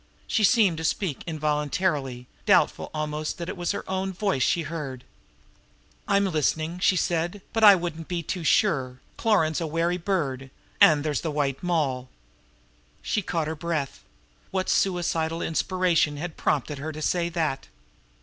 She seemed to speak involuntarily, doubtful almost that it was her own voice she heard. "I'm listening," she said; "but I wouldn't be too sure. Cloran's a wary bird, and there's the White Moll." She caught her breath. What suicidal inspiration had prompted her to say that!